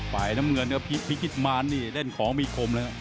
ฝ่ายน้ำเงินเดี๋ยวพิชิตมารนี่เล่นของมีคมเลยครับ